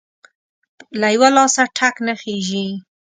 له يوه لاسه ټک نه خيږى.